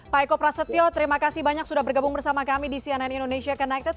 pak eko prasetyo terima kasih banyak sudah bergabung bersama kami di cnn indonesia connected